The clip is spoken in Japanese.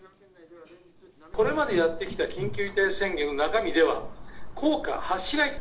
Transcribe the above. これまでやってきた緊急事態宣言の中身では、効果は発しないと。